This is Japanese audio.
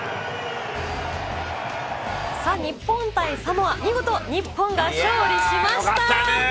日本対サモア、見事日本が勝利しました！